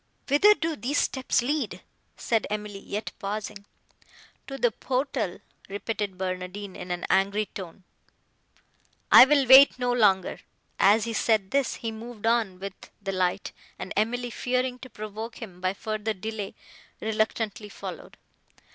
"Whither do these steps lead?" said Emily, yet pausing. "To the portal," repeated Barnardine, in an angry tone, "I will wait no longer." As he said this, he moved on with the light, and Emily, fearing to provoke him by further delay, reluctantly followed.